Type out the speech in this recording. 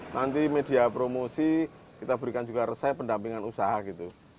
nanti media promosi kita berikan juga resep pendampingan usaha gitu